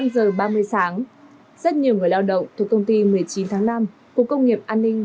năm giờ ba mươi sáng rất nhiều người lao động thuộc công ty một mươi chín tháng năm của công nghiệp an ninh